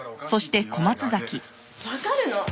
わかるの。